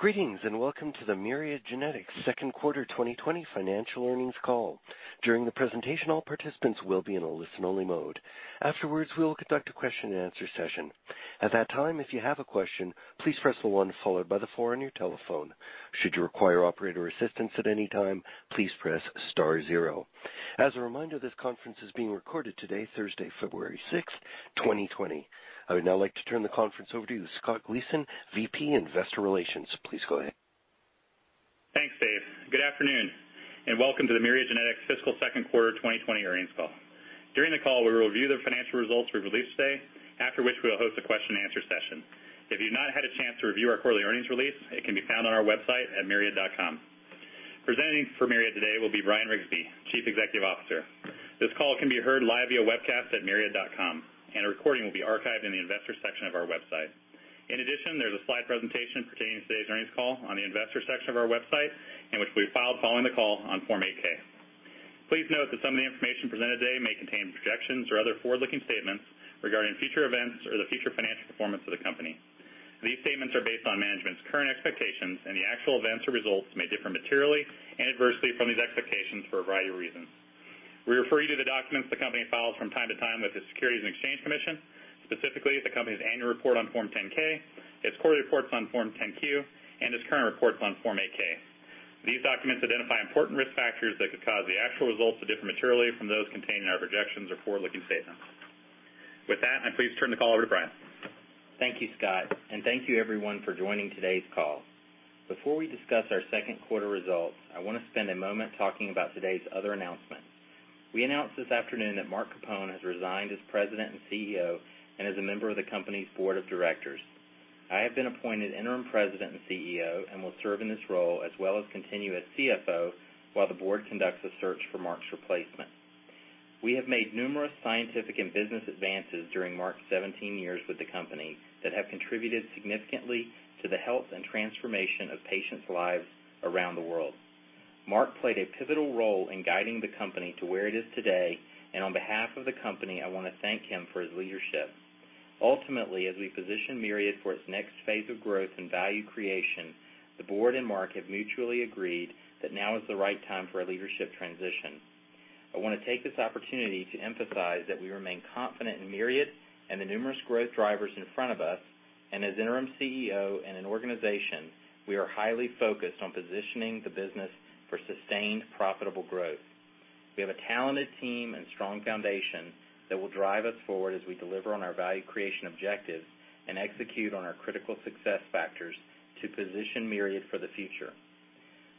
Greetings, welcome to the Myriad Genetics second quarter 2020 financial earnings call. During the presentation, all participants will be in a listen-only mode. Afterwards, we will conduct a question-and-answer session. At that time, if you have a question, please press the one followed by the four on your telephone. Should you require operator assistance at any time, please press star zero. As a reminder, this conference is being recorded today, Thursday, February 6, 2020. I would now like to turn the conference over to Scott Gleason, VP Investor Relations. Please go ahead. Thanks, Dave. Good afternoon, welcome to the Myriad Genetics fiscal second quarter 2020 earnings call. During the call, we will review the financial results we released today, after which we will host a question-and-answer session. If you've not had a chance to review our quarterly earnings release, it can be found on our website at myriad.com. Presenting for Myriad today will be Bryan Riggsbee, Chief Executive Officer. This call can be heard live via webcast at myriad.com, a recording will be archived in the Investors section of our website. In addition, there's a slide presentation pertaining to today's earnings call on the Investors section of our website, which we filed following the call on Form 8-K. Please note that some of the information presented today may contain projections or other forward-looking statements regarding future events or the future financial performance of the company. These statements are based on management's current expectations, and the actual events or results may differ materially and adversely from these expectations for a variety of reasons. We refer you to the documents the company files from time to time with the Securities and Exchange Commission, specifically the company's annual report on Form 10-K, its quarterly reports on Form 10-Q, and its current reports on Form 8-K. These documents identify important risk factors that could cause the actual results to differ materially from those contained in our projections or forward-looking statements. With that, I'm pleased to turn the call over to Bryan. Thank you, Scott, and thank you everyone for joining today's call. Before we discuss our second quarter results, I want to spend a moment talking about today's other announcement. We announced this afternoon that Mark Capone has resigned as President and CEO and as a member of the company's Board of Directors. I have been appointed Interim President and CEO and will serve in this role as well as continue as CFO while the board conducts a search for Mark's replacement. We have made numerous scientific and business advances during Mark's 17 years with the company that have contributed significantly to the health and transformation of patients' lives around the world. Mark played a pivotal role in guiding the company to where it is today, and on behalf of the company, I want to thank him for his leadership. Ultimately, as we position Myriad for its next phase of growth and value creation, the board and Mark have mutually agreed that now is the right time for a leadership transition. I want to take this opportunity to emphasize that we remain confident in Myriad and the numerous growth drivers in front of us. As Interim CEO and an organization, we are highly focused on positioning the business for sustained profitable growth. We have a talented team and strong foundation that will drive us forward as we deliver on our value creation objectives and execute on our critical success factors to position Myriad for the future.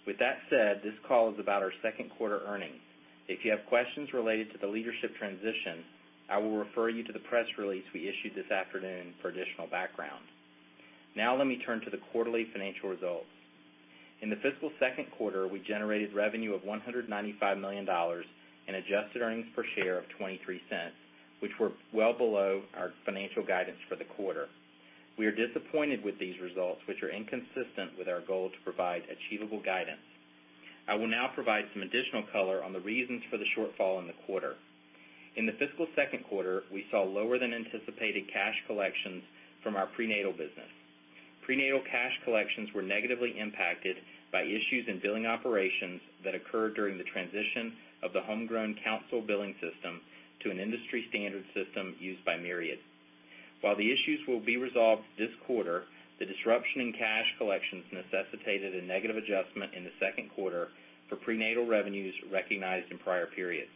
With that said, this call is about our second quarter earnings. If you have questions related to the leadership transition, I will refer you to the press release we issued this afternoon for additional background. Now let me turn to the quarterly financial results. In the fiscal second quarter, we generated revenue of $195 million and adjusted earnings per share of $0.23, which were well below our financial guidance for the quarter. We are disappointed with these results, which are inconsistent with our goal to provide achievable guidance. I will now provide some additional color on the reasons for the shortfall in the quarter. In the fiscal second quarter, we saw lower than anticipated cash collections from our prenatal business. Prenatal cash collections were negatively impacted by issues in billing operations that occurred during the transition of the homegrown Counsyl billing system to an industry-standard system used by Myriad. While the issues will be resolved this quarter, the disruption in cash collections necessitated a negative adjustment in the second quarter for prenatal revenues recognized in prior periods.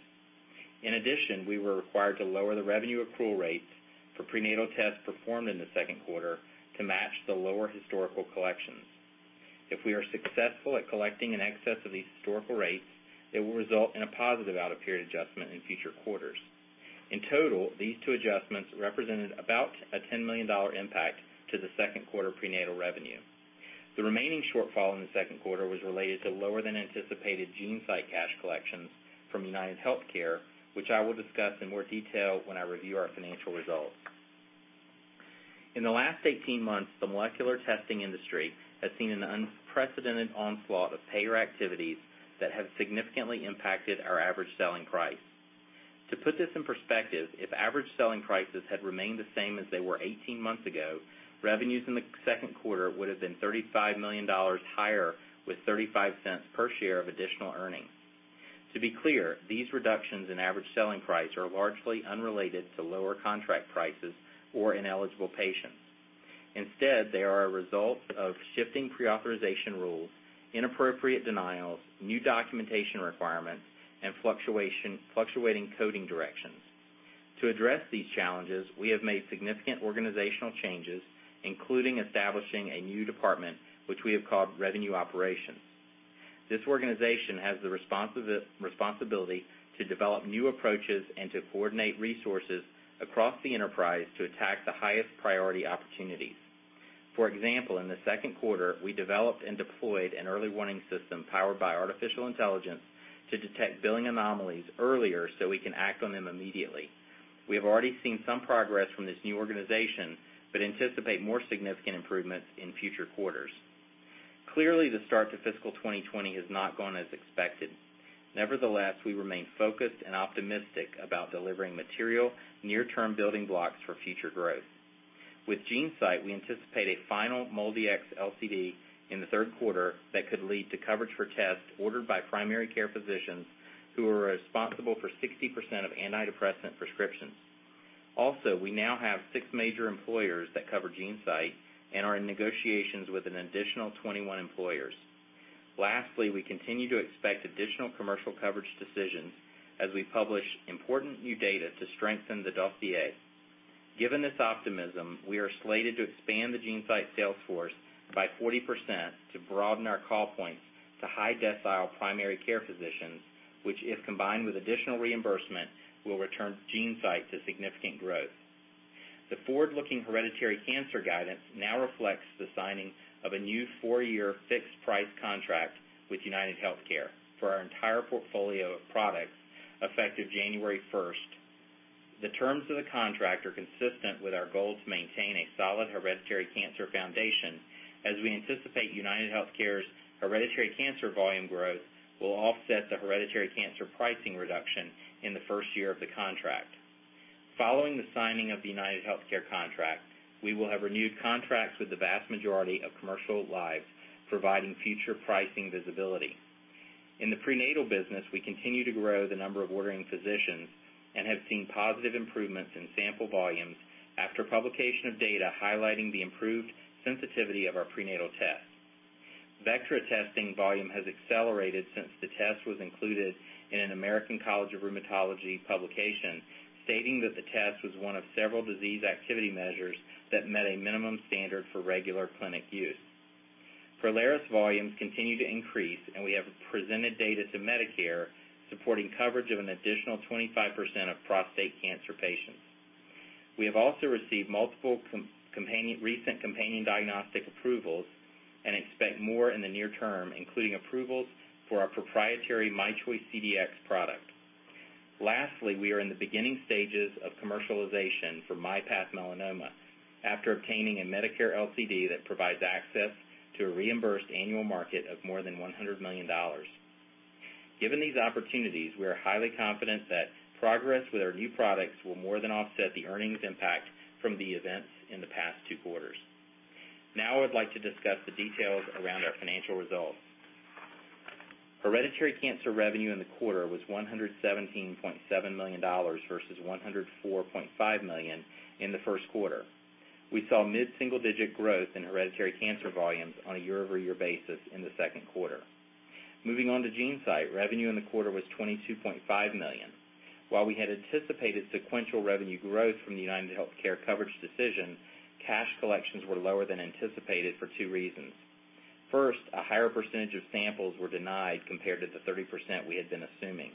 In addition, we were required to lower the revenue accrual rates for prenatal tests performed in the second quarter to match the lower historical collections. If we are successful at collecting in excess of these historical rates, it will result in a positive out-of-period adjustment in future quarters. In total, these two adjustments represented about a $10 million impact to the second quarter prenatal revenue. The remaining shortfall in the second quarter was related to lower than anticipated GeneSight cash collections from UnitedHealthcare, which I will discuss in more detail when I review our financial results. In the last 18 months, the molecular testing industry has seen an unprecedented onslaught of payer activities that have significantly impacted our average selling price. To put this in perspective, if average selling prices had remained the same as they were 18 months ago, revenues in the second quarter would have been $35 million higher with $0.35 per share of additional earnings. To be clear, these reductions in average selling price are largely unrelated to lower contract prices or ineligible patients. Instead, they are a result of shifting pre-authorization rules, inappropriate denials, new documentation requirements, and fluctuating coding directions. To address these challenges, we have made significant organizational changes, including establishing a new department, which we have called Revenue Operations. This organization has the responsibility to develop new approaches and to coordinate resources across the enterprise to attack the highest priority opportunities. For example, in the second quarter, we developed and deployed an early warning system powered by artificial intelligence to detect billing anomalies earlier so we can act on them immediately. We have already seen some progress from this new organization but anticipate more significant improvements in future quarters. Clearly, the start to fiscal 2020 has not gone as expected. Nevertheless, we remain focused and optimistic about delivering material near-term building blocks for future growth. With GeneSight, we anticipate a final MolDx LCD in the third quarter that could lead to coverage for tests ordered by primary care physicians who are responsible for 60% of antidepressant prescriptions. We now have six major employers that cover GeneSight and are in negotiations with an additional 21 employers. We continue to expect additional commercial coverage decisions as we publish important new data to strengthen the dossier. Given this optimism, we are slated to expand the GeneSight sales force by 40% to broaden our call points to high-decile primary care physicians, which, if combined with additional reimbursement, will return GeneSight to significant growth. The forward-looking hereditary cancer guidance now reflects the signing of a new four-year fixed price contract with UnitedHealthcare for our entire portfolio of products effective January 1st. The terms of the contract are consistent with our goal to maintain a solid hereditary cancer foundation as we anticipate UnitedHealthcare's hereditary cancer volume growth will offset the hereditary cancer pricing reduction in the first year of the contract. Following the signing of the UnitedHealthcare contract, we will have renewed contracts with the vast majority of commercial lives, providing future pricing visibility. In the prenatal business, we continue to grow the number of ordering physicians and have seen positive improvements in sample volumes after publication of data highlighting the improved sensitivity of our prenatal tests. Vectra testing volume has accelerated since the test was included in an American College of Rheumatology publication stating that the test was one of several disease activity measures that met a minimum standard for regular clinic use. Prolaris volumes continue to increase, and we have presented data to Medicare supporting coverage of an additional 25% of prostate cancer patients. We have also received multiple recent companion diagnostic approvals and expect more in the near term, including approvals for our proprietary myChoice CDx product. Lastly, we are in the beginning stages of commercialization for myPath Melanoma after obtaining a Medicare LCD that provides access to a reimbursed annual market of more than $100 million. Given these opportunities, we are highly confident that progress with our new products will more than offset the earnings impact from the events in the past two quarters. Now, I would like to discuss the details around our financial results. Hereditary cancer revenue in the quarter was $117.7 million versus $104.5 million in the first quarter. We saw mid-single-digit growth in hereditary cancer volumes on a year-over-year basis in the second quarter. Moving on to GeneSight. Revenue in the quarter was $22.5 million. While we had anticipated sequential revenue growth from the UnitedHealthcare coverage decision, cash collections were lower than anticipated for two reasons. First, a higher percentage of samples were denied compared to the 30% we had been assuming.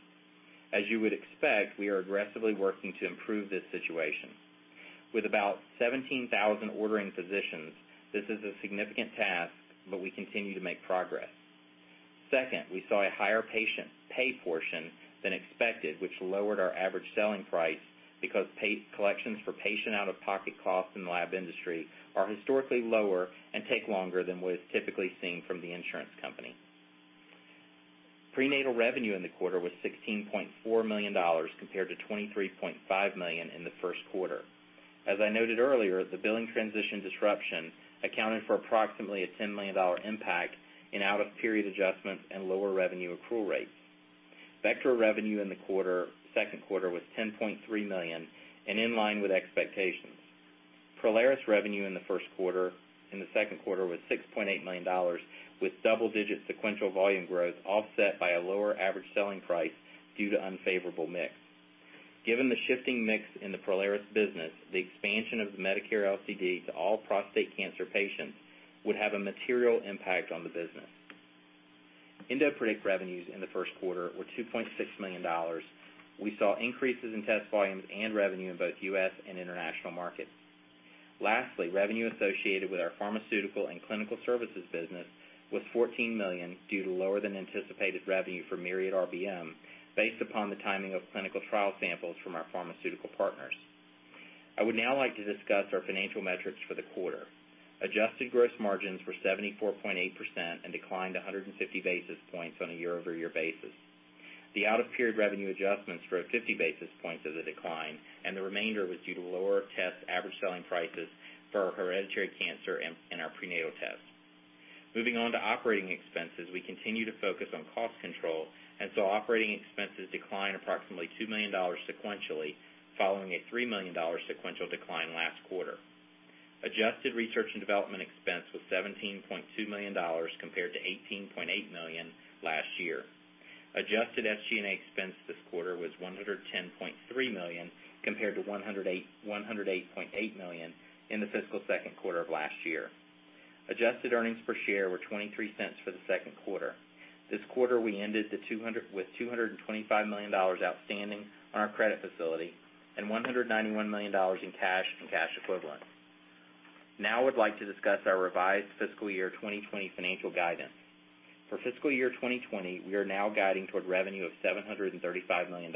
As you would expect, we are aggressively working to improve this situation. With about 17,000 ordering physicians, this is a significant task, but we continue to make progress. Second, we saw a higher patient pay portion than expected, which lowered our average selling price because collections for patient out-of-pocket costs in the lab industry are historically lower and take longer than what is typically seen from the insurance company. Prenatal revenue in the quarter was $16.4 million compared to $23.5 million in the first quarter. As I noted earlier, the billing transition disruption accounted for approximately a $10 million impact in out-of-period adjustments and lower revenue accrual rates. Vectra revenue in the second quarter was $10.3 million and in line with expectations. Prolaris revenue in the second quarter was $6.8 million with double-digit sequential volume growth offset by a lower average selling price due to unfavorable mix. Given the shifting mix in the Prolaris business, the expansion of the Medicare LCD to all prostate cancer patients would have a material impact on the business. EndoPredict revenues in the first quarter were $2.6 million. We saw increases in test volumes and revenue in both U.S. and international markets. Lastly, revenue associated with our pharmaceutical and clinical services business was $14 million due to lower than anticipated revenue for Myriad RBM based upon the timing of clinical trial samples from our pharmaceutical partners. I would now like to discuss our financial metrics for the quarter. Adjusted gross margins were 74.8% and declined 150 basis points on a year-over-year basis. The out-of-period revenue adjustments for 50 basis points is a decline, and the remainder was due to lower test average selling prices for our hereditary cancer and our prenatal tests. Moving on to operating expenses. Operating expenses declined approximately $2 million sequentially following a $3 million sequential decline last quarter. Adjusted research and development expense was $17.2 million compared to $18.8 million last year. Adjusted SG&A expense this quarter was $110.3 million compared to $108.8 million in the fiscal second quarter of last year. Adjusted earnings per share were $0.23 for the second quarter. This quarter, we ended with $225 million outstanding on our credit facility and $191 million in cash and cash equivalents. Now I would like to discuss our revised fiscal year 2020 financial guidance. For fiscal year 2020, we are now guiding toward revenue of $735 million.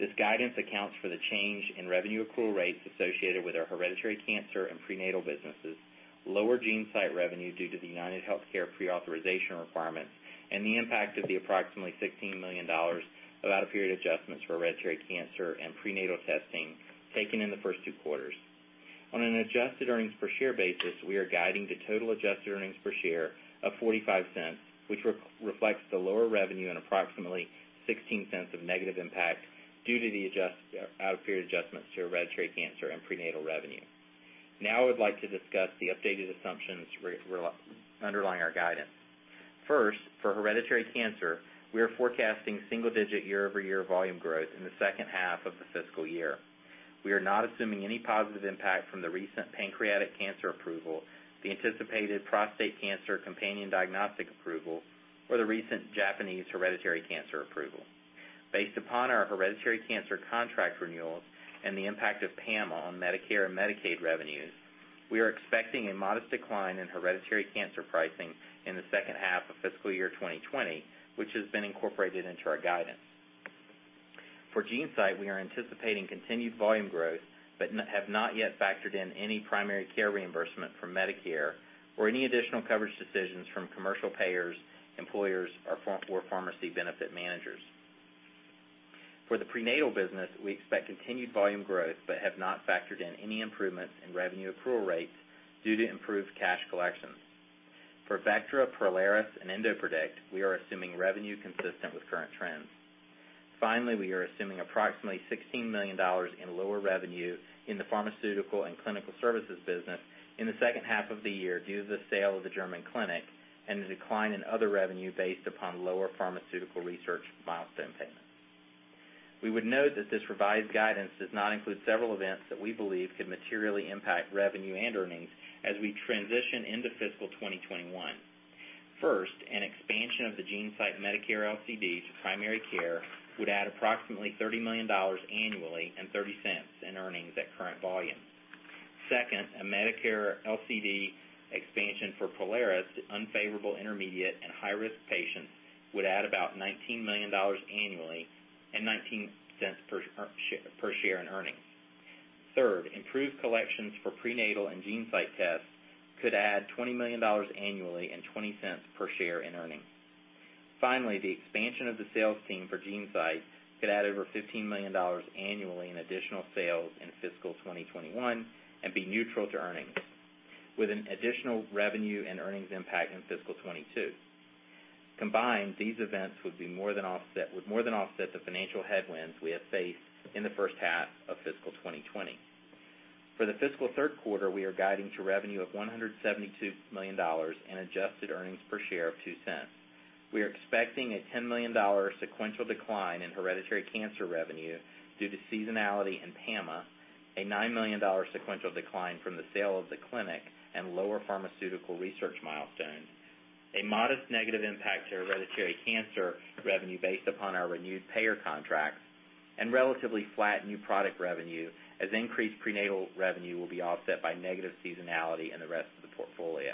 This guidance accounts for the change in revenue accrual rates associated with our hereditary cancer and prenatal businesses, lower GeneSight revenue due to the UnitedHealthcare pre-authorization requirements, and the impact of the approximately $16 million out-of-period adjustments for hereditary cancer and prenatal testing taken in the first two quarters. On an adjusted earnings per share basis, we are guiding to total adjusted earnings per share of $0.45, which reflects the lower revenue and approximately $0.16 of negative impact due to the out-of-period adjustments to hereditary cancer and prenatal revenue. I would like to discuss the updated assumptions underlying our guidance. For hereditary cancer, we are forecasting single-digit year-over-year volume growth in the second half of the fiscal year. We are not assuming any positive impact from the recent pancreatic cancer approval, the anticipated prostate cancer companion diagnostic approval, or the recent Japanese hereditary cancer approval. Based upon our hereditary cancer contract renewals and the impact of PAMA on Medicare and Medicaid revenues, we are expecting a modest decline in hereditary cancer pricing in the second half of fiscal year 2020, which has been incorporated into our guidance. For GeneSight, we are anticipating continued volume growth, but have not yet factored in any primary care reimbursement from Medicare or any additional coverage decisions from commercial payers, employers, or pharmacy benefit managers. For the prenatal business, we expect continued volume growth, but have not factored in any improvements in revenue accrual rates due to improved cash collections. For Vectra, Prolaris, and EndoPredict, we are assuming revenue consistent with current trends. Finally, we are assuming approximately $16 million in lower revenue in the pharmaceutical and clinical services business in the second half of the year due to the sale of the German clinic and the decline in other revenue based upon lower pharmaceutical research milestone payments. We would note that this revised guidance does not include several events that we believe could materially impact revenue and earnings as we transition into fiscal 2021. First, an expansion of the GeneSight Medicare LCD to primary care would add approximately $30 million annually and $0.30 in earnings at current volumes. Second, a Medicare LCD expansion for Prolaris to unfavorable, intermediate, and high-risk patients would add about $19 million annually and $0.19 per share in earnings. Third, improved collections for prenatal and GeneSight tests could add $20 million annually and $0.20 per share in earnings. Finally, the expansion of the sales team for GeneSight could add over $15 million annually in additional sales in fiscal 2021 and be neutral to earnings, with an additional revenue and earnings impact in fiscal 2022. Combined, these events would more than offset the financial headwinds we have faced in the first half of fiscal 2020. For the fiscal third quarter, we are guiding to revenue of $172 million and adjusted earnings per share of $0.02. We are expecting a $10 million sequential decline in hereditary cancer revenue due to seasonality in PAMA, a $9 million sequential decline from the sale of the clinic and lower pharmaceutical research milestones, a modest negative impact to hereditary cancer revenue based upon our renewed payer contracts, and relatively flat new product revenue as increased prenatal revenue will be offset by negative seasonality in the rest of the portfolio.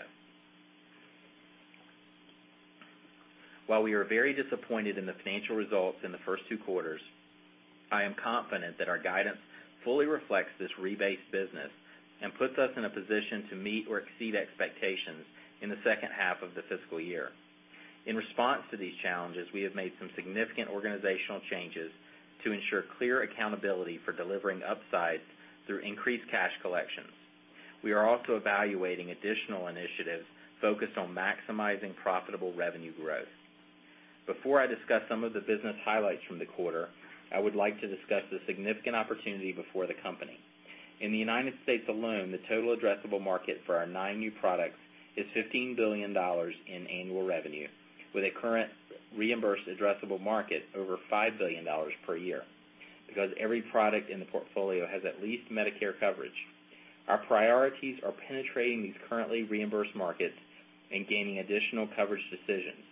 While we are very disappointed in the financial results in the first two quarters, I am confident that our guidance fully reflects this rebased business and puts us in a position to meet or exceed expectations in the second half of the fiscal year. In response to these challenges, we have made some significant organizational changes to ensure clear accountability for delivering upside through increased cash collections. We are also evaluating additional initiatives focused on maximizing profitable revenue growth. Before I discuss some of the business highlights from the quarter, I would like to discuss the significant opportunity before the company. In the U.S. alone, the total addressable market for our nine new products is $15 billion in annual revenue, with a current reimbursed addressable market over $5 billion per year. Because every product in the portfolio has at least Medicare coverage, our priorities are penetrating these currently reimbursed markets and gaining additional coverage decisions.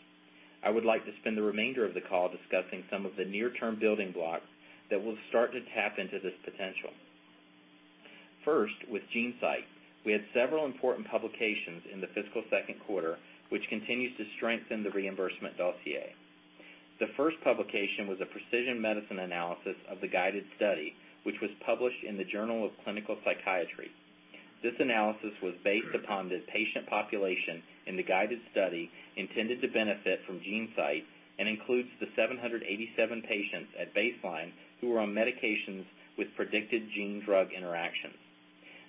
I would like to spend the remainder of the call discussing some of the near-term building blocks that will start to tap into this potential. First, with GeneSight, we had several important publications in the fiscal second quarter, which continues to strengthen the reimbursement dossier. The first publication was a precision medicine analysis of the GUIDED study, which was published in The Journal of Clinical Psychiatry. This analysis was based upon the patient population in the GUIDED study intended to benefit from GeneSight and includes the 787 patients at baseline who were on medications with predicted gene-drug interactions.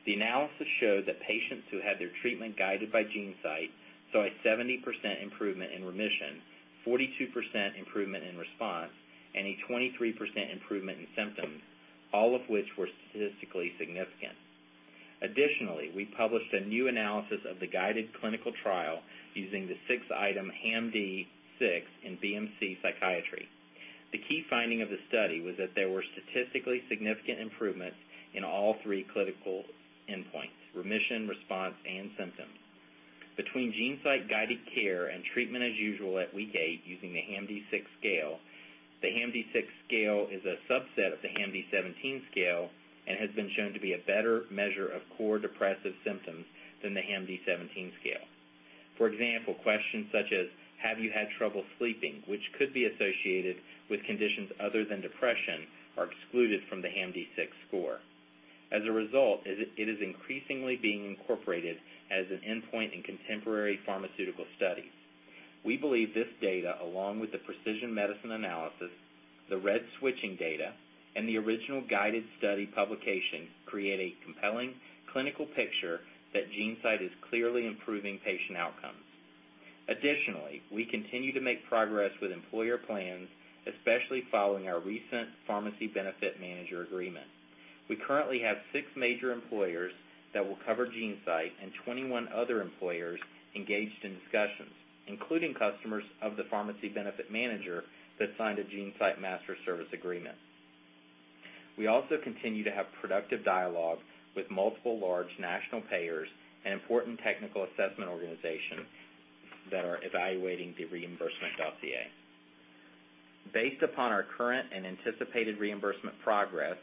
The analysis showed that patients who had their treatment guided by GeneSight saw a 70% improvement in remission, 42% improvement in response, and a 23% improvement in symptoms, all of which were statistically significant. Additionally, we published a new analysis of the GUIDED clinical trial using the six-item HAM-D6 in BMC Psychiatry. The key finding of the study was that there were statistically significant improvements in all three clinical endpoints: remission, response, and symptoms, between GeneSight-guided care and treatment as usual at week eight using the HAM-D6 scale. The HAM-D6 scale is a subset of the HAM-D17 scale and has been shown to be a better measure of core depressive symptoms than the HAM-D17 scale. For example, questions such as, have you had trouble sleeping, which could be associated with conditions other than depression, are excluded from the HAM-D6 score. As a result, it is increasingly being incorporated as an endpoint in contemporary pharmaceutical studies. We believe this data, along with the precision medicine analysis, the RED switching data, and the original GUIDED study publication, create a compelling clinical picture that GeneSight is clearly improving patient outcomes. Additionally, we continue to make progress with employer plans, especially following our recent pharmacy benefit manager agreement. We currently have six major employers that will cover GeneSight and 21 other employers engaged in discussions, including customers of the pharmacy benefit manager that signed a GeneSight master service agreement. We also continue to have productive dialogue with multiple large national payers and important technical assessment organizations that are evaluating the reimbursement dossier. Based upon our current and anticipated reimbursement progress,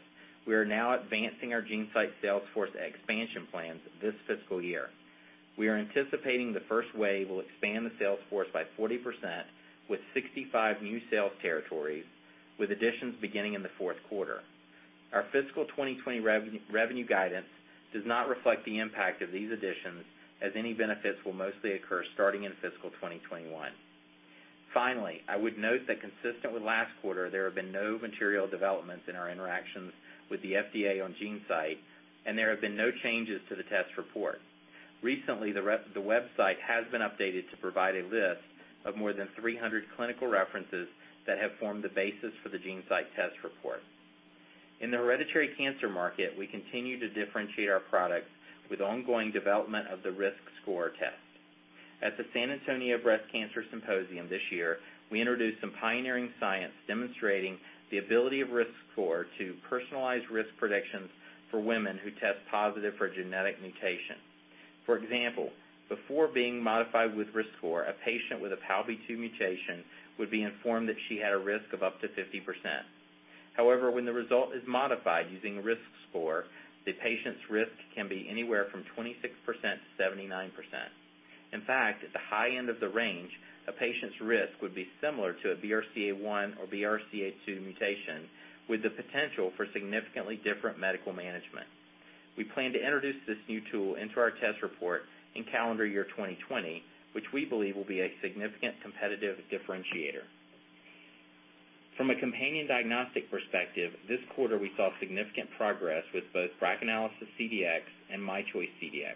we are now advancing our GeneSight sales force expansion plans this fiscal year. We are anticipating the first wave will expand the sales force by 40% with 65 new sales territories, with additions beginning in the fourth quarter. Our fiscal 2020 revenue guidance does not reflect the impact of these additions, as any benefits will mostly occur starting in fiscal 2021. Finally, I would note that consistent with last quarter, there have been no material developments in our interactions with the FDA on GeneSight, and there have been no changes to the test report. Recently, the website has been updated to provide a list of more than 300 clinical references that have formed the basis for the GeneSight test report. In the hereditary cancer market, we continue to differentiate our products with ongoing development of the RiskScore test. At the San Antonio Breast Cancer Symposium this year, we introduced some pioneering science demonstrating the ability of RiskScore to personalize risk predictions for women who test positive for a genetic mutation. For example, before being modified with RiskScore, a patient with a PALB2 mutation would be informed that she had a risk of up to 50%. However, when the result is modified using RiskScore, the patient's risk can be anywhere from 26%-79%. In fact, at the high end of the range, a patient's risk would be similar to a BRCA1 or BRCA2 mutation with the potential for significantly different medical management. We plan to introduce this new tool into our test report in calendar year 2020, which we believe will be a significant competitive differentiator. From a companion diagnostic perspective, this quarter we saw significant progress with both BRACAnalysis CDx and myChoice CDx.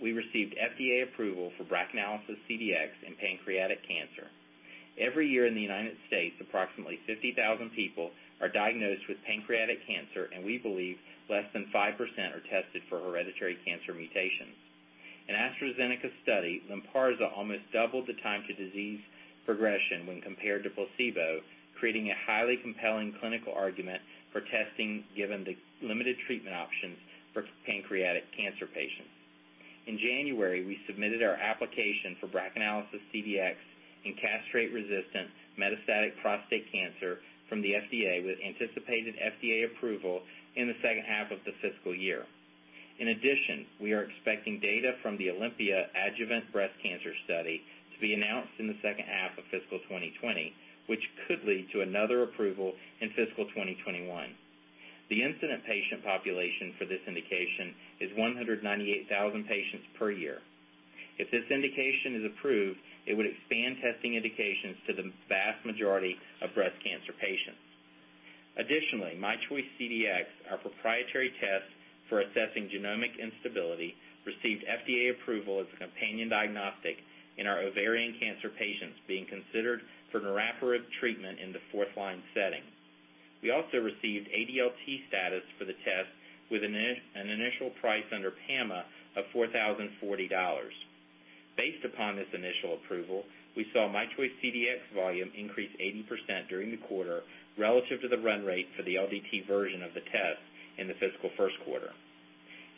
We received FDA approval for BRACAnalysis CDx in pancreatic cancer. Every year in the United States, approximately 50,000 people are diagnosed with pancreatic cancer, and we believe less than 5% are tested for hereditary cancer mutations. In AstraZeneca's study, LYNPARZA almost doubled the time to disease progression when compared to placebo, creating a highly compelling clinical argument for testing given the limited treatment options for pancreatic cancer patients. In January, we submitted our application for BRACAnalysis CDx in castrate-resistant metastatic prostate cancer from the FDA, with anticipated FDA approval in the second half of the fiscal year. In addition, we are expecting data from the OlympiA adjuvant breast cancer study to be announced in the second half of fiscal 2020, which could lead to another approval in fiscal 2021. The incident patient population for this indication is 198,000 patients per year. If this indication is approved, it would expand testing indications to the vast majority of breast cancer patients. Additionally, myChoice CDx, our proprietary test for assessing genomic instability, received FDA approval as a companion diagnostic in our ovarian cancer patients being considered for niraparib treatment in the fourth-line setting. We also received ADLT status for the test with an initial price under PAMA of $4,040. Based upon this initial approval, we saw myChoice CDx volume increase 80% during the quarter relative to the run rate for the LDT version of the test in the fiscal first quarter.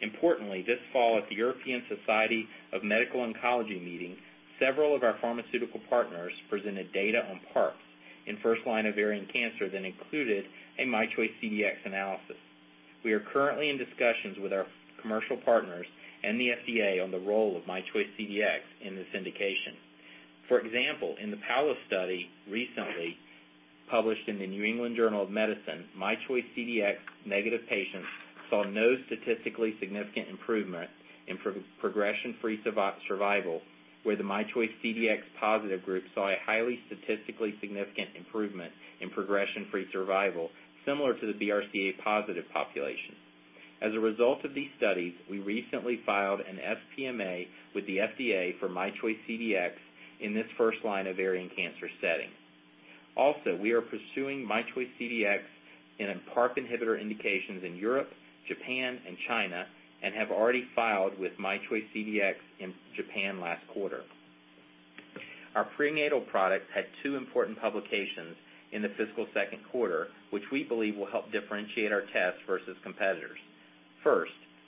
Importantly, this fall at the European Society for Medical Oncology meeting, several of our pharmaceutical partners presented data on PARP in first-line ovarian cancer that included a myChoice CDx analysis. We are currently in discussions with our commercial partners and the FDA on the role of myChoice CDx in this indication. For example, in the PAOLA-1 study recently published in The New England Journal of Medicine, myChoice CDx negative patients saw no statistically significant improvement in progression-free survival, where the myChoice CDx positive group saw a highly statistically significant improvement in progression-free survival similar to the BRCA positive population. As a result of these studies, we recently filed an sPMA with the FDA for myChoice CDx in this first line ovarian cancer setting. We are pursuing myChoice CDx in a PARP inhibitor indications in Europe, Japan, and China, and have already filed with myChoice CDx in Japan last quarter. Our prenatal product had two important publications in the fiscal second quarter, which we believe will help differentiate our tests versus competitors.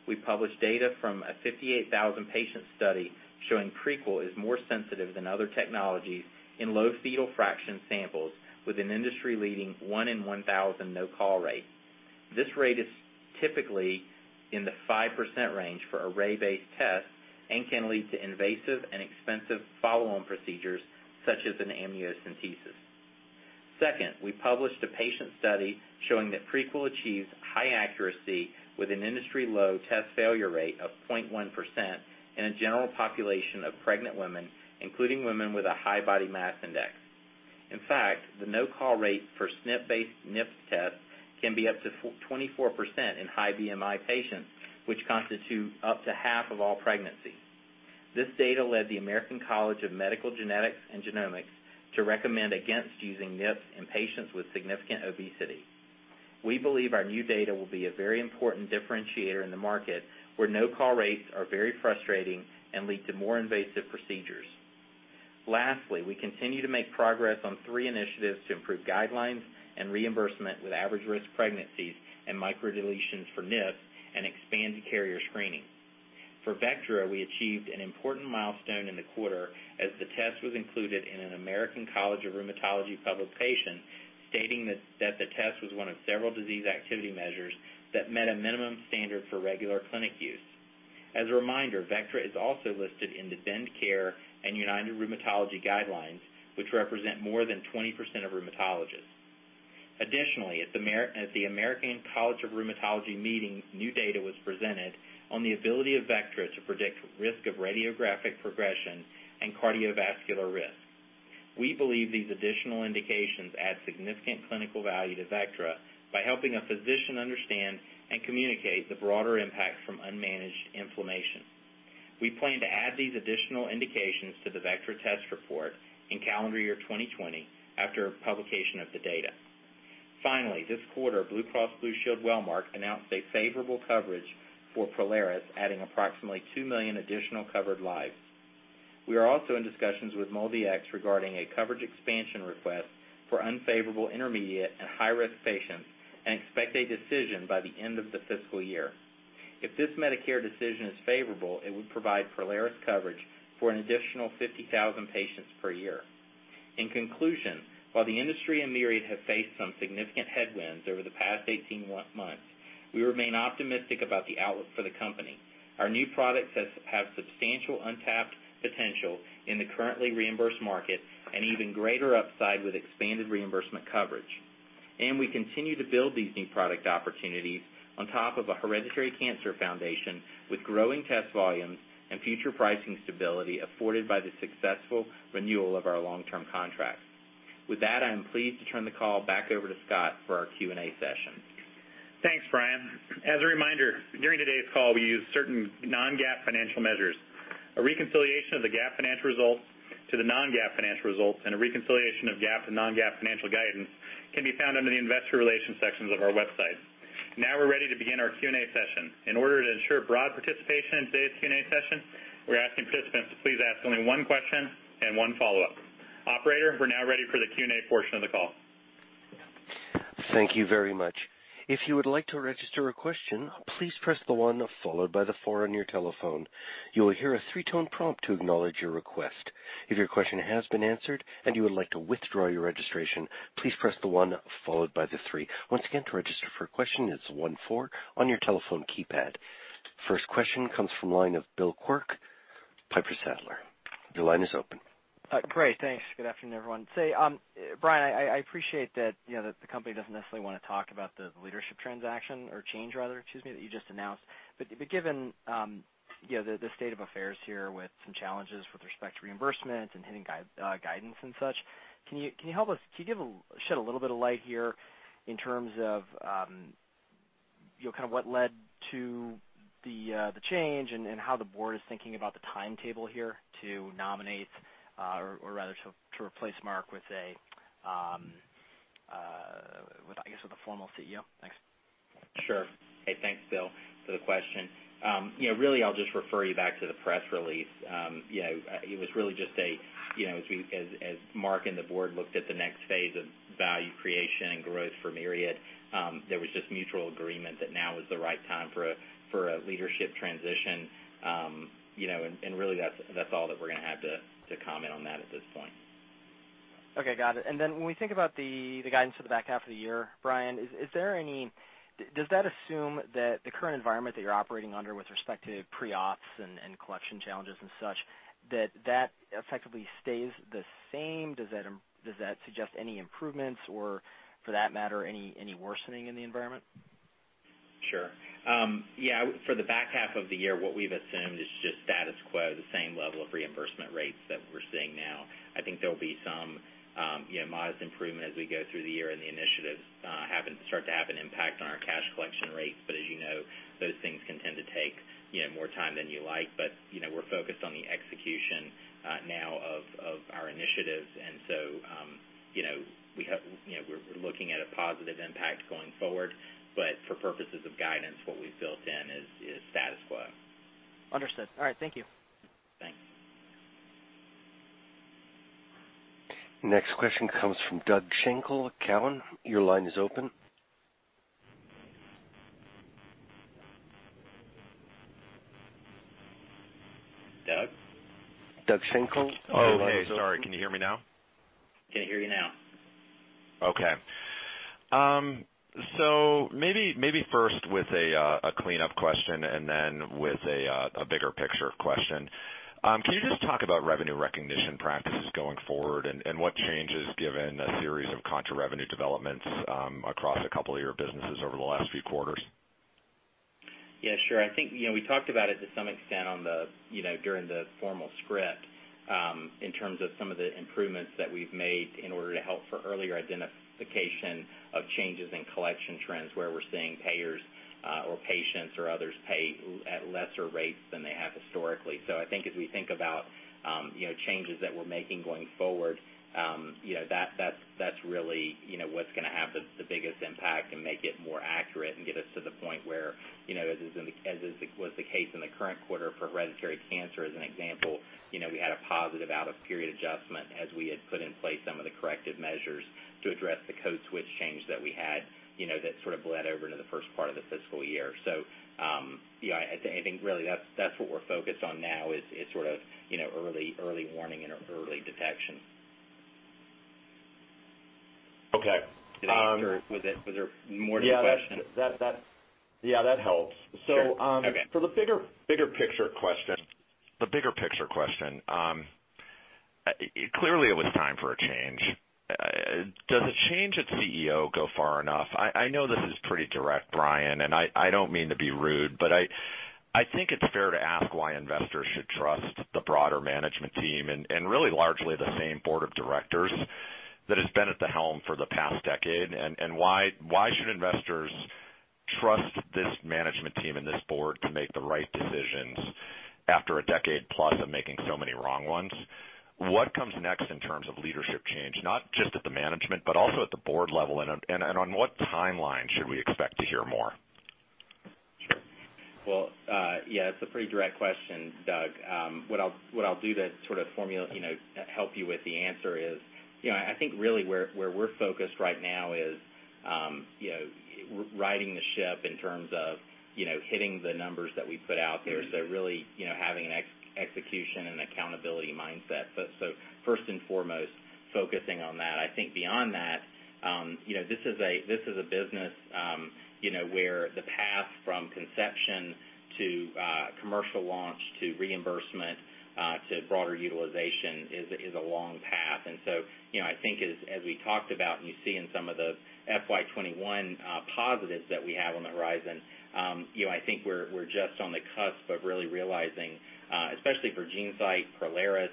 We published data from a 58,000-patient study showing Prequel is more sensitive than other technologies in low fetal fraction samples with an industry-leading one in 1,000 no-call rate. This rate is typically in the 5% range for array-based tests and can lead to invasive and expensive follow-on procedures such as an amniocentesis. Second, we published a patient study showing that Prequel achieves high accuracy with an industry-low test failure rate of 0.1% in a general population of pregnant women, including women with a high body mass index. In fact, the no-call rate for SNP-based NIPT tests can be up to 24% in high BMI patients, which constitute up to half of all pregnancies. This data led the American College of Medical Genetics and Genomics to recommend against using NIPTs in patients with significant obesity. We believe our new data will be a very important differentiator in the market, where no-call rates are very frustrating and lead to more invasive procedures. Lastly, we continue to make progress on three initiatives to improve guidelines and reimbursement with average-risk pregnancies and microdeletions for NIPTs, and expanded carrier screening. For Vectra, we achieved an important milestone in the quarter as the test was included in an American College of Rheumatology publication stating that the test was one of several disease activity measures that met a minimum standard for regular clinic use. As a reminder, Vectra is also listed in the Bendcare and United Rheumatology guidelines, which represent more than 20% of rheumatologists. Additionally, at the American College of Rheumatology meeting, new data was presented on the ability of Vectra to predict risk of radiographic progression and cardiovascular risk. We believe these additional indications add significant clinical value to Vectra by helping a physician understand and communicate the broader impact from unmanaged inflammation. We plan to add these additional indications to the Vectra test report in calendar year 2020 after publication of the data. Finally, this quarter, Blue Cross Blue Shield Wellmark announced a favorable coverage for Prolaris, adding approximately 2 million additional covered lives. We are also in discussions with MolDx regarding a coverage expansion request for unfavorable, intermediate, and high-risk patients and expect a decision by the end of the fiscal year. If this Medicare decision is favorable, it would provide Prolaris coverage for an additional 50,000 patients per year. In conclusion, while the industry and Myriad have faced some significant headwinds over the past 18 months, we remain optimistic about the outlook for the company. Our new products have substantial untapped potential in the currently reimbursed market and even greater upside with expanded reimbursement coverage. We continue to build these new product opportunities on top of a hereditary cancer foundation with growing test volumes and future pricing stability afforded by the successful renewal of our long-term contracts. With that, I am pleased to turn the call back over to Scott for our Q&A session. Thanks, Bryan. As a reminder, during today's call, we use certain non-GAAP financial measures. A reconciliation of the GAAP financial results to the non-GAAP financial results and a reconciliation of GAAP to non-GAAP financial guidance can be found under the investor relations sections of our website. We're ready to begin our Q&A session. In order to ensure broad participation in today's Q&A session, we're asking participants to please ask only one question and one follow-up. Operator, we're ready for the Q&A portion of the call. Thank you very much. If you would like to register a question, please press the one followed by the four on your telephone. You will hear a three-tone prompt to acknowledge your request. If your question has been answered and you would like to withdraw your registration, please press the one followed by the three. Once again, to register for a question, it's one four on your telephone keypad. First question comes from the line of Bill Quirk, Piper Sandler. Your line is open. Great. Thanks. Good afternoon, everyone. Say, Bryan, I appreciate that the company doesn't necessarily want to talk about the leadership transaction, or change rather, excuse me, that you just announced. Given the state of affairs here with some challenges with respect to reimbursement and hitting guidance and such, can you shed a little bit of light here in terms of what led to the change and how the board is thinking about the timetable here to nominate, or rather to replace Mark with, I guess the formal CEO? Thanks. Sure. Hey, thanks, Bill, for the question. Really, I'll just refer you back to the press release. It was really just as Mark and the board looked at the next phase of value creation and growth for Myriad, there was just mutual agreement that now is the right time for a leadership transition. Really, that's all that we're going to have to comment on that at this point. Okay. Got it. Then when we think about the guidance for the back half of the year, Bryan, does that assume that the current environment that you're operating under with respect to pre-auths and collection challenges and such, that that effectively stays the same? Does that suggest any improvements or for that matter, any worsening in the environment? Sure. For the back half of the year, what we've assumed is just status quo, the same level of reimbursement rates that we're seeing now. I think there'll be some modest improvement as we go through the year and the initiatives start to have an impact on our cash collection rates, as you know, those things can tend to take more time than you like. We're focused on the execution now of our initiatives, we're looking at a positive impact going forward. For purposes of guidance, what we've built in is status quo. Understood. All right. Thank you. Thanks. Next question comes from Doug Schenkel, Cowen. Your line is open. Doug Schenkel Oh, hey. Sorry. Can you hear me now? Can hear you now. Okay. Maybe first with a cleanup question and then with a bigger picture question. Can you just talk about revenue recognition practices going forward and, what changes, given a series of contra revenue developments, across a couple of your businesses over the last few quarters? Yeah, sure. I think, we talked about it to some extent during the formal script, in terms of some of the improvements that we've made in order to help for earlier identification of changes in collection trends, where we're seeing payers or patients or others pay at lesser rates than they have historically. I think as we think about changes that we're making going forward, that's really what's going to have the biggest impact and make it more accurate and get us to the point where, as was the case in the current quarter for hereditary cancer as an example, we had a positive out-of-period adjustment as we had put in place some of the corrective measures to address the code switch change that we had, that sort of bled over into the first part of the fiscal year. I think really that's what we're focused on now is sort of early warning and early detection. Okay. Did I answer or was there more to the question? Yeah. That helps. Sure. Okay. For the bigger picture question, clearly it was time for a change. Does a change at CEO go far enough? I know this is pretty direct, Bryan, and I don't mean to be rude, but I think it's fair to ask why investors should trust the broader management team and really largely the same board of directors that has been at the helm for the past decade, and why should investors trust this management team and this board to make the right decisions after a decade plus of making so many wrong ones? What comes next in terms of leadership change, not just at the management, but also at the board level? On what timeline should we expect to hear more? Sure. Well, yeah, it's a pretty direct question, Doug. What I'll do to sort of help you with the answer is, I think really where we're focused right now is righting the ship in terms of hitting the numbers that we put out there. Really, having an execution and accountability mindset. First and foremost, focusing on that. I think beyond that, this is a business where the path from conception to commercial launch, to reimbursement, to broader utilization is a long path. I think as we talked about, and you see in some of the FY 2021 positives that we have on the horizon, I think we're just on the cusp of really realizing, especially for GeneSight, Prolaris,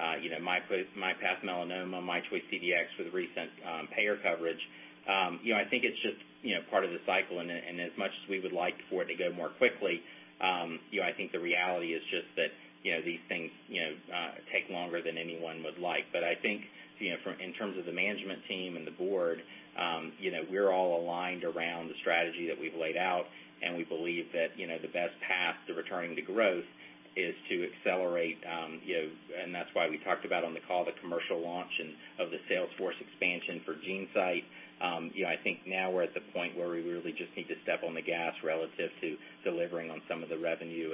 myPath Melanoma, myChoice CDx with recent payer coverage. I think it's just part of the cycle and as much as we would like for it to go more quickly, I think the reality is just that these things take longer than anyone would like. I think in terms of the management team and the board, we're all aligned around the strategy that we've laid out, and we believe that the best path to returning to growth is to accelerate, and that's why we talked about on the call, the commercial launch and of the sales force expansion for GeneSight. I think now we're at the point where we really just need to step on the gas relative to delivering on some of the revenue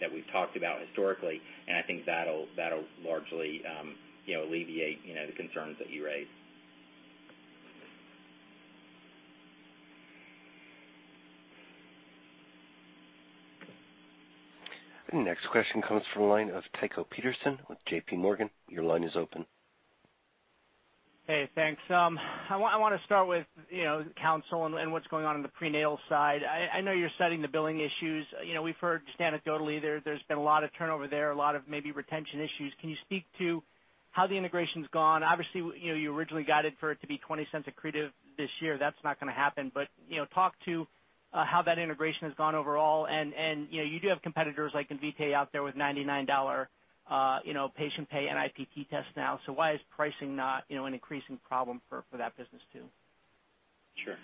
that we've talked about historically, and I think that'll largely alleviate the concerns that you raised. The next question comes from the line of Tycho Peterson with JPMorgan. Your line is open. Hey, thanks. I want to start with Counsyl and what's going on in the prenatal side. I know you're studying the billing issues. We've heard anecdotally there's been a lot of turnover there, a lot of maybe retention issues. Can you speak to how the integration's gone? Obviously, you originally guided for it to be $0.20 accretive this year. That's not going to happen. Talk to how that integration has gone overall and, you do have competitors like Invitae out there with $99 patient pay NIPT tests now. Why is pricing not an increasing problem for that business too? Sure.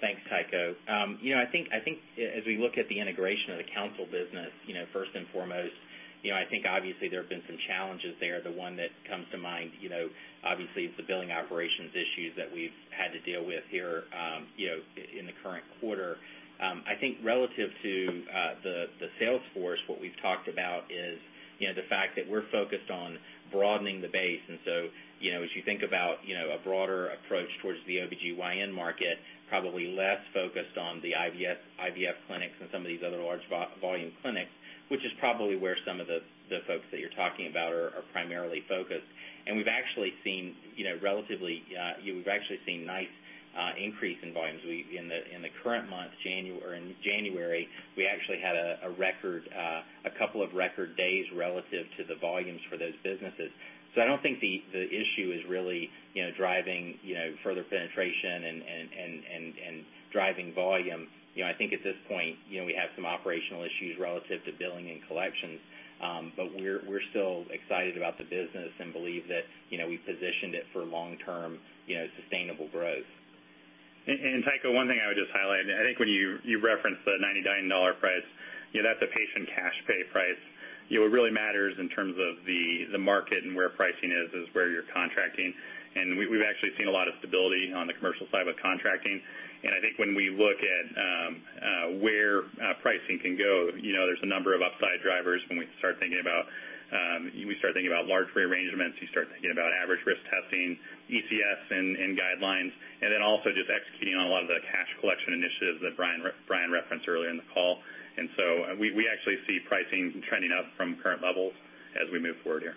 Thanks, Tycho. I think as we look at the Counsyl business, first and foremost, I think obviously there have been some challenges there. The one that comes to mind, obviously it's the billing operations issues that we've had to deal with here in the current quarter. I think relative to the sales force, what we've talked about is the fact that we're focused on broadening the base. As you think about a broader approach towards the OBGYN market, probably less focused on the IVF clinics and some of these other large volume clinics, which is probably where some of the folks that you're talking about are primarily focused. We've actually seen nice increase in volumes. In the current month, in January, we actually had a couple of record days relative to the volumes for those businesses. I don't think the issue is really driving further penetration and driving volume. I think at this point, we have some operational issues relative to billing and collections. We're still excited about the business and believe that we've positioned it for long-term sustainable growth. Tycho, one thing I would just highlight, I think when you referenced the $99 price, that's a patient cash pay price. What really matters in terms of the market and where pricing is where you're contracting. We've actually seen a lot of stability on the commercial side with contracting. I think when we look at where pricing can go, there's a number of upside drivers when we start thinking about large rearrangements, you start thinking about average risk testing, ECS and guidelines, and then also just executing on a lot of the cash collection initiatives that Bryan referenced earlier in the call. We actually see pricing trending up from current levels as we move forward here.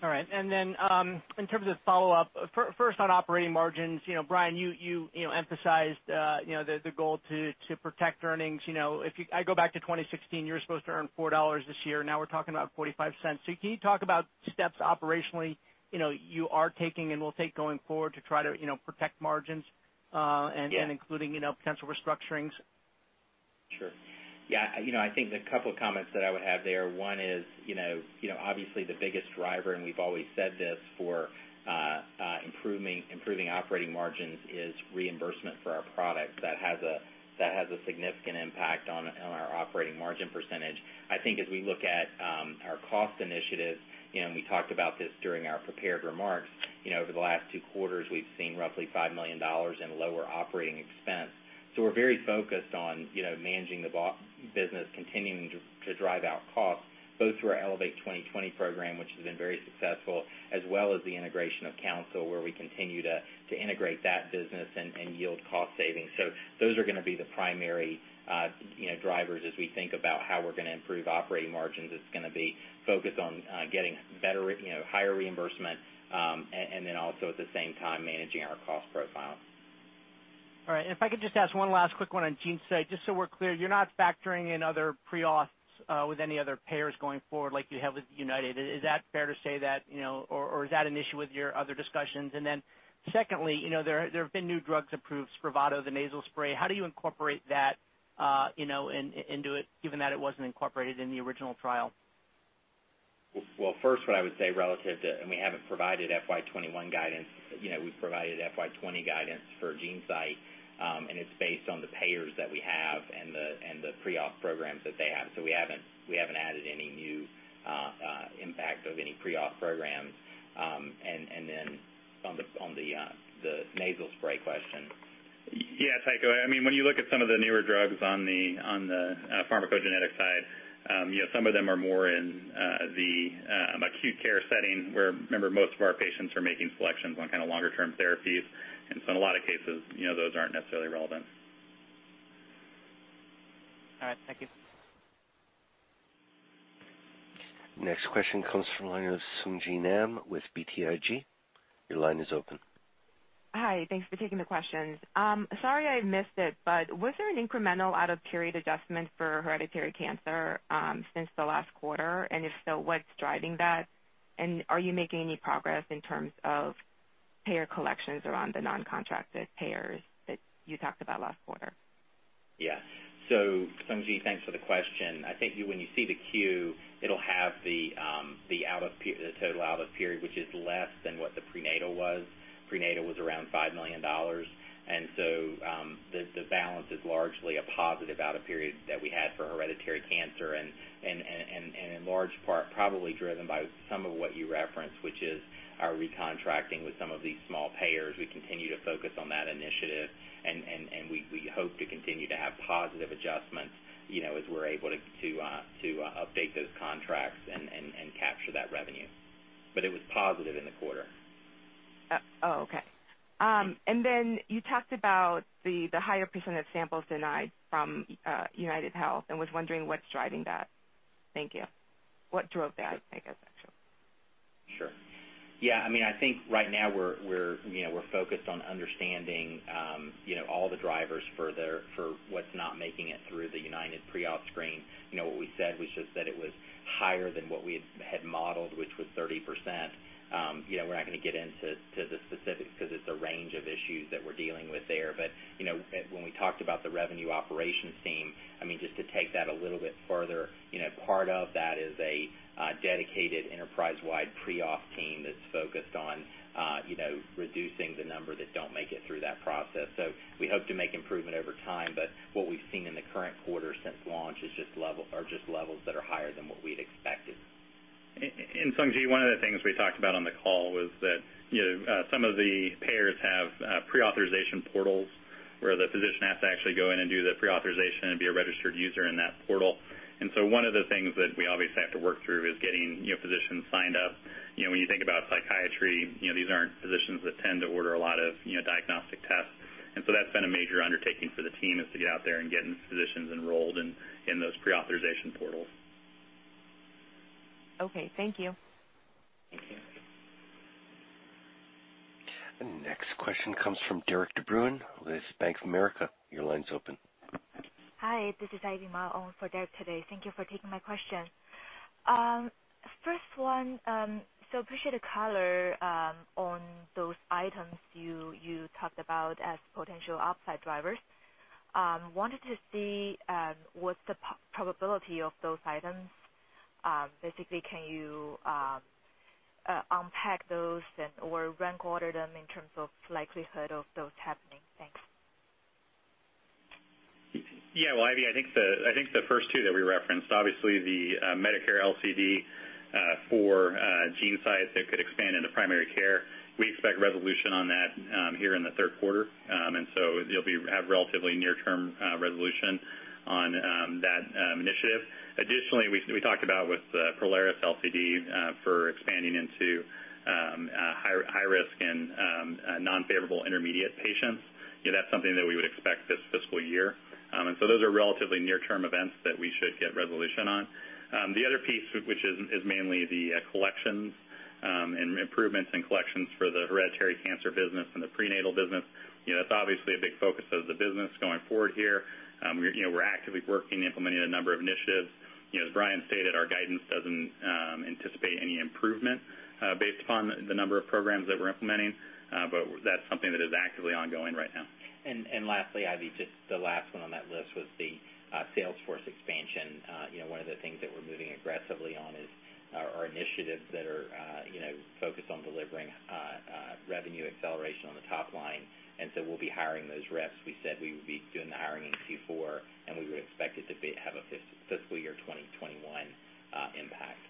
All right. In terms of follow-up, first on operating margins, Bryan, you emphasized the goal to protect earnings. If I go back to 2016, you were supposed to earn $4 this year. Now we're talking about $0.45. Can you talk about steps operationally, you are taking and will take going forward to try to protect margins and including potential restructurings? Sure. Yeah. I think the couple comments that I would have there, one is, obviously the biggest driver, and we've always said this for improving operating margins is reimbursement for our products. That has a significant impact on our operating margin percentage. I think as we look at our cost initiatives, and we talked about this during our prepared remarks, over the last two quarters, we've seen roughly $5 million in lower operating expense. We're very focused on managing the business, continuing to drive out costs, both through our Elevate 2020 program, which has been very successful, as well as the integration of Counsyl, where we continue to integrate that business and yield cost savings. Those are going to be the primary drivers as we think about how we're going to improve operating margins. It's going to be focused on getting higher reimbursement, and then also at the same time, managing our cost profile. All right. If I could just ask one last quick one on GeneSight, just so we're clear, you're not factoring in other preauths with any other payers going forward like you have with United. Is that fair to say that, or is that an issue with your other discussions? Secondly, there have been new drugs approved, SPRAVATO, the nasal spray. How do you incorporate that into it given that it wasn't incorporated in the original trial? Well, first, what I would say relative to, and we haven't provided FY 2021 guidance, we've provided FY 2020 guidance for GeneSight, and it's based on the payers that we have and the preauth programs that they have. We haven't added any new impact of any preauth programs. On the nasal spray question. Yeah, Tycho, when you look at some of the newer drugs on the pharmacogenetic side, some of them are more in the acute care setting where, remember, most of our patients are making selections on kind of longer term therapies. In a lot of cases, those aren't necessarily relevant. All right. Thank you. Next question comes from line of Sung Ji Nam with BTIG. Your line is open. Hi. Thanks for taking the questions. Sorry I missed it, was there an incremental out-of-period adjustment for hereditary cancer since the last quarter? If so, what's driving that? Are you making any progress in terms of payer collections around the non-contracted payers that you talked about last quarter? Yeah. Sung Ji, thanks for the question. I think when you see the Q, it'll have the total out-of-period, which is less than what the prenatal was. Prenatal was around $5 million. The balance is largely a positive out-of-period that we had for hereditary cancer and in large part, probably driven by some of what you referenced, which is our recontracting with some of these small payers. We continue to focus on that initiative, and we hope to continue to have positive adjustments, as we're able to update those contracts and capture that revenue. It was positive in the quarter. Oh, okay. You talked about the higher percentage samples denied from UnitedHealth and was wondering what's driving that. Thank you. What drove that, I guess, actually? Sure. Yeah, I think right now we're focused on understanding all the drivers for what's not making it through the United preauth screen. What we said was just that it was higher than what we had modeled, which was 30%. When we talked about the Revenue Operations team, just to take that a little bit further, part of that is a dedicated enterprise-wide preauth team that's focused on reducing the number that don't make it through that process. We hope to make improvement over time, but what we've seen in the current quarter since launch are just levels that are higher than what we'd expected. Sung Ji, one of the things we talked about on the call was that some of the payers have pre-authorization portals where the physician has to actually go in and do the pre-authorization and be a registered user in that portal. One of the things that we obviously have to work through is getting physicians signed up. When you think about psychiatry, these aren't physicians that tend to order a lot of diagnostic tests. That's been a major undertaking for the team, is to get out there and get physicians enrolled in those pre-authorization portals. Okay. Thank you. Thank you. The next question comes from Derik De Bruin with Bank of America. Your line's open. Hi, this is Ivy Ma for Derik De Bruin today. Thank you for taking my question. First one, I appreciate the color on those items you talked about as potential upside drivers. I wanted to see what the probability of those items. Basically, can you unpack those or rank order them in terms of likelihood of those happening? Thanks. Yeah. Well, Ivy, I think the first two that we referenced, obviously the Medicare LCD for GeneSight that could expand into primary care, we expect resolution on that here in the third quarter. You'll have relatively near-term resolution on that initiative. Additionally, we talked about with the Prolaris LCD for expanding into high risk and non-favorable intermediate patients, that's something that we would expect this fiscal year. Those are relatively near-term events that we should get resolution on. The other piece, which is mainly the collections, improvements in collections for the hereditary cancer business and the prenatal business. That's obviously a big focus of the business going forward here. We're actively working, implementing a number of initiatives. As Bryan stated, our guidance doesn't anticipate any improvement based upon the number of programs that we're implementing. That's something that is actively ongoing right now. Lastly, Ivy, just the last one on that list was the sales force expansion. One of the things that we're moving aggressively on is our initiatives that are focused on delivering revenue acceleration on the top line. We'll be hiring those reps. We said we would be doing the hiring in Q4, and we would expect it to have a fiscal year 2021 impact.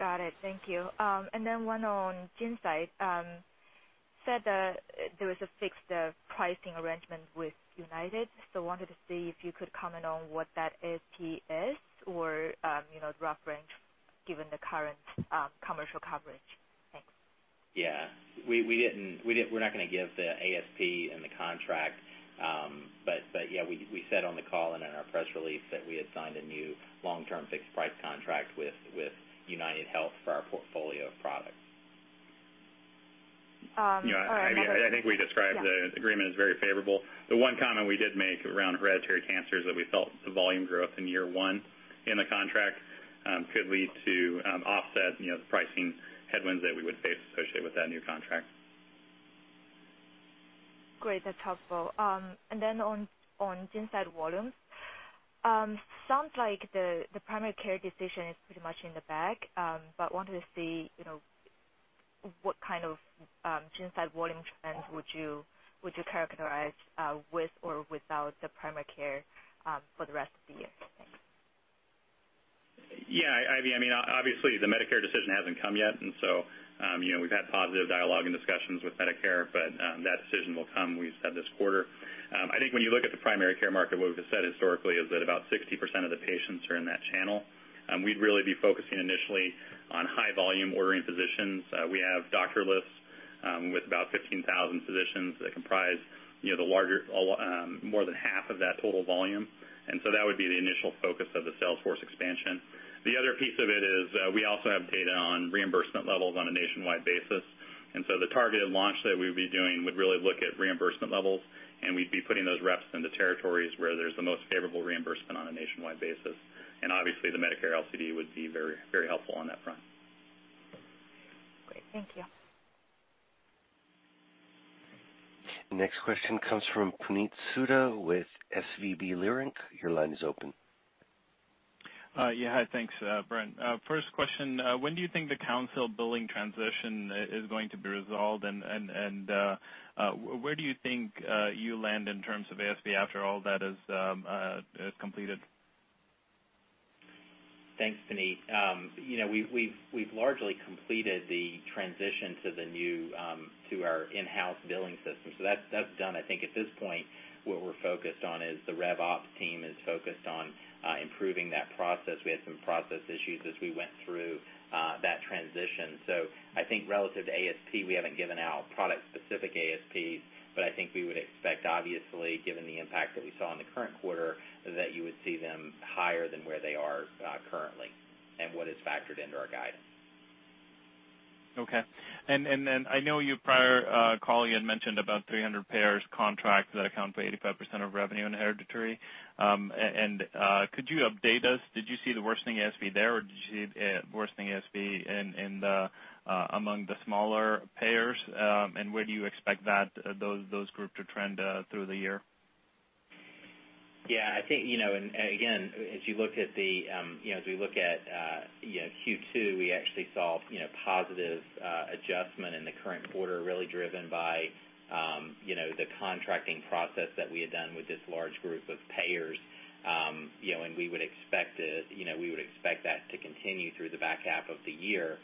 Got it. Thank you. Then one on GeneSight. Said that there was a fixed pricing arrangement with United, wanted to see if you could comment on what that ASP is or the rough range given the current commercial coverage. Thanks. Yeah. We're not going to give the ASP and the contract, but yeah, we said on the call and in our press release that we had signed a new long-term fixed price contract with UnitedHealth for our portfolio of products. Or another- Yeah. I think we described the agreement as very favorable. The one comment we did make around hereditary cancers, that we felt the volume growth in year one in the contract could lead to offset the pricing headwinds that we would face associated with that new contract. Great. That's helpful. On GeneSight volumes, sounds like the primary care decision is pretty much in the bag. Wanted to see what kind of GeneSight volume trends would you characterize with or without the primary care for the rest of the year? Thanks. Ivy, obviously, the Medicare decision hasn't come yet, and so we've had positive dialogue and discussions with Medicare, but that decision will come, we said, this quarter. I think when you look at the primary care market, what we've said historically is that about 60% of the patients are in that channel. We'd really be focusing initially on high-volume ordering physicians. We have doctor lists with about 15,000 physicians that comprise more than half of that total volume. That would be the initial focus of the sales force expansion. The other piece of it is we also have data on reimbursement levels on a nationwide basis. The targeted launch that we would be doing would really look at reimbursement levels, and we'd be putting those reps in the territories where there's the most favorable reimbursement on a nationwide basis. Obviously, the Medicare LCD would be very helpful on that front. Great. Thank you. Next question comes from Puneet Souda with SVB Leerink. Your line is open. Yeah. Hi. Thanks, Bryan. First question, when do you think the Counsyl billing transition is going to be resolved? Where do you think you'll land in terms of ASP after all that is completed? Thanks, Puneet. We've largely completed the transition to our in-house billing system. That's done. I think at this point, what we're focused on is the rev ops team is focused on improving that process. We had some process issues as we went through that transition. I think relative to ASP, we haven't given out product-specific ASPs, but I think we would expect, obviously, given the impact that we saw in the current quarter, that you would see them higher than where they are currently and what is factored into our guidance. Okay. I know your prior call, you had mentioned about 300 payers contracts that account for 85% of revenue in hereditary. Could you update us? Did you see the worsening ASP there, or did you see worsening ASP among the smaller payers? Where do you expect those group to trend through the year? Yeah. Again, as we look at Q2, we actually saw positive adjustment in the current quarter, really driven by the contracting process that we had done with this large group of payers. We would expect that to continue through the back half of the year.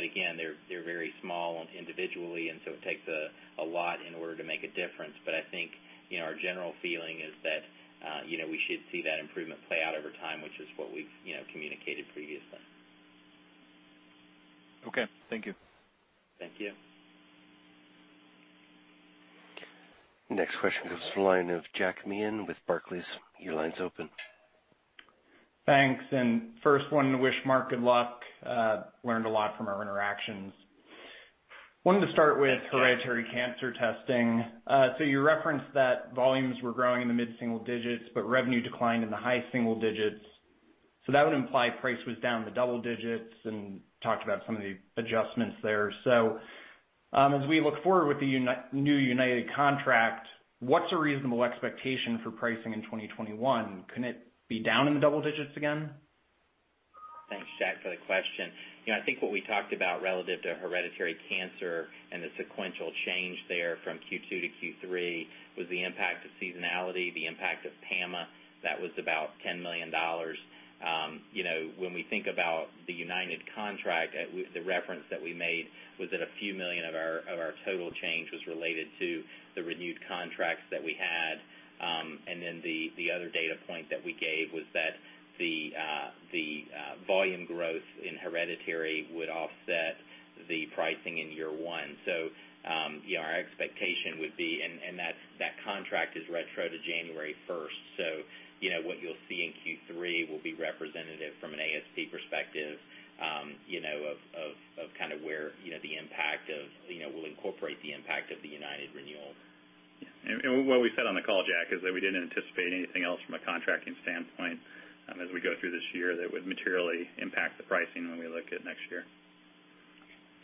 Again, they're very small individually, and so it takes a lot in order to make a difference. I think our general feeling is that we should see that improvement play out over time, which is what we've communicated previously. Okay. Thank you. Thank you. Next question comes from the line of Jack Meehan with Barclays. Your line's open. Thanks. First one, wish Mark good luck. Learned a lot from our interactions. Wanted to start with hereditary cancer testing. You referenced that volumes were growing in the mid-single digits, revenue declined in the high single digits. That would imply price was down the double digits and talked about some of the adjustments there. As we look forward with the new United contract, what's a reasonable expectation for pricing in 2021? Can it be down in the double digits again? Thanks, Jack, for the question. I think what we talked about relative to hereditary cancer and the sequential change there from Q2 to Q3 was the impact of seasonality, the impact of PAMA. That was about $10 million. When we think about the United contract, the reference that we made was that a few million of our total change was related to the renewed contracts that we had. The other data point that we gave was that the volume growth in hereditary would offset the pricing in year one. That contract is retro to January 1st. What you'll see in Q3 will be representative from an ASP perspective, of kind of where we'll incorporate the impact of the United renewal. What we said on the call, Jack, is that we didn't anticipate anything else from a contracting standpoint as we go through this year that would materially impact the pricing when we look at next year.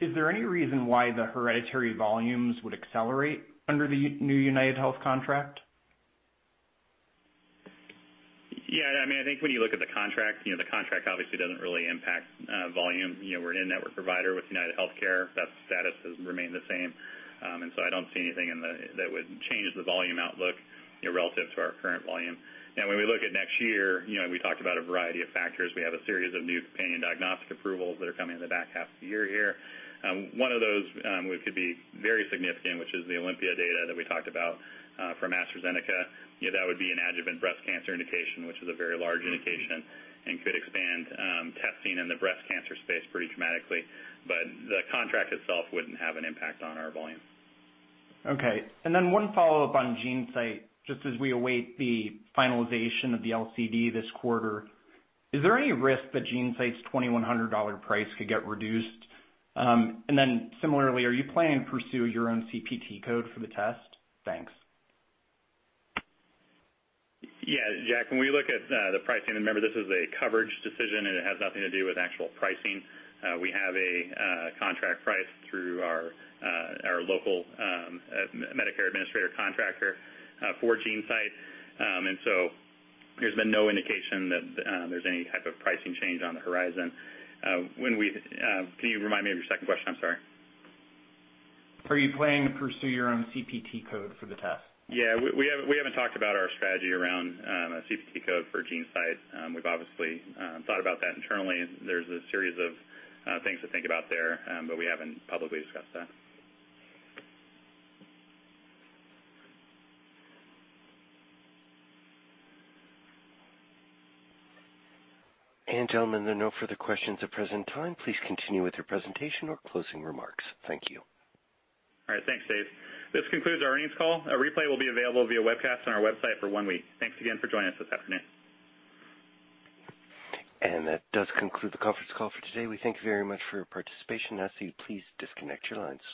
Is there any reason why the hereditary volumes would accelerate under the new UnitedHealth contract? Yeah. I think when you look at the contract, the contract obviously doesn't really impact volume. We're a network provider with UnitedHealthcare. That status has remained the same. I don't see anything That would change the volume outlook, relative to our current volume. Now when we look at next year, we talked about a variety of factors. We have a series of new companion diagnostic approvals that are coming in the back half of the year here. One of those could be very significant, which is the OlympiA data that we talked about from AstraZeneca. That would be an adjuvant breast cancer indication, which is a very large indication and could expand testing in the breast cancer space pretty dramatically. The contract itself wouldn't have an impact on our volume. Okay. One follow-up on GeneSight, just as we await the finalization of the LCD this quarter. Is there any risk that GeneSight's $2,100 price could get reduced? Similarly, are you planning to pursue your own CPT code for the test? Thanks. Yeah. Jack, remember, this is a coverage decision, and it has nothing to do with actual pricing. We have a contract price through our local Medicare administrator contractor for GeneSight. There's been no indication that there's any type of pricing change on the horizon. Can you remind me of your second question? I'm sorry. Are you planning to pursue your own CPT code for the test? Yeah. We haven't talked about our strategy around a CPT code for GeneSight. We've obviously thought about that internally. There's a series of things to think about there, but we haven't publicly discussed that. Gentlemen, there are no further questions at present time. Please continue with your presentation or closing remarks. Thank you. All right. Thanks, Dave. This concludes our earnings call. A replay will be available via webcast on our website for one week. Thanks again for joining us this afternoon. That does conclude the conference call for today. We thank you very much for your participation. I ask that you please disconnect your lines.